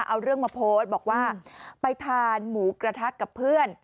เอาเรื่องมาโพสต์บอกว่าไปทานหมูกระทะกับเพื่อน